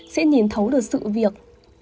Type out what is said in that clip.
sẽ nhìn thấu được sự việc